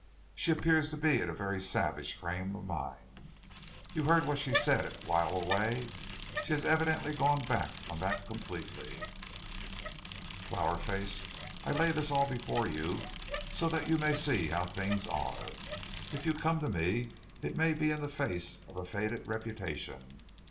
She appears to be in a very savage frame of mind. You heard what she said at While a Way. She has evidently gone back on that completely. "Flower Face, I lay this all before you so that you may see how things are. If you come to me it may be in the face of a faded reputation.